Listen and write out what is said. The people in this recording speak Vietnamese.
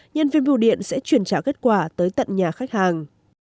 nhân viên bưu điện sẽ chuyển trả kết quả tới tận nhà khách hàng